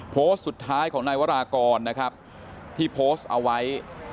โพสต์สุดท้ายของนายวรากรนะครับที่โพสต์เอาไว้